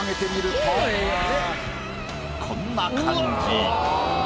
こんな感じ。